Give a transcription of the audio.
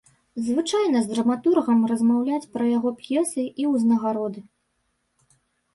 Звычайна з драматургам размаўляюць пра яго п'есы і ўзнагароды.